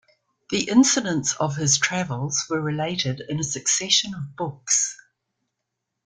The incidents of his travels were related in a succession of books.